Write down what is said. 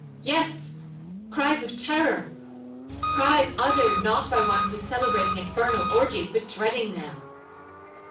'—'Yes, cries of terror—cries uttered not by one who is celebrating infernal orgies, but dreading them.'